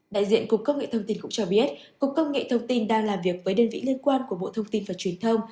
đại diện cục công nghệ thông tin cũng cho biết cục công nghệ thông tin đang làm việc với đơn vị liên quan của bộ thông tin và truyền thông